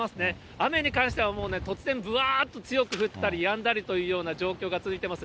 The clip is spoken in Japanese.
雨に関しては、もうね、突然、ぶわーっと強く降ったりやんだりというような状況が続いてます。